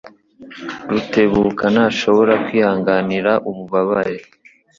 Rutebuka ntashobora kwihanganira ububabare.